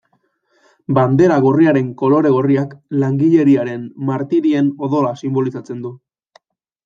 Bandera gorriaren kolore gorriak langileriaren martirien odola sinbolizatzen du.